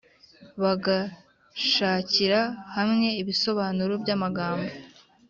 bagashakira hamwe ibisobanuro by’amagambo